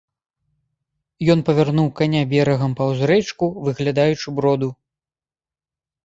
Ён павярнуў каня берагам паўз рэчку, выглядаючы броду.